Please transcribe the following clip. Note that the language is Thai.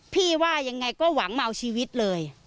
ว่ายังไงก็หวังเอาชีวิตเลย